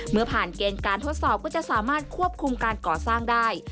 เมื่อผ่านเกณฑ์การทดสอบก็จะสามารถควบคุมการก่อสร้างได้